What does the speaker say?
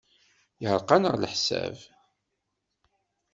Yeɛreq-aneɣ leḥsab.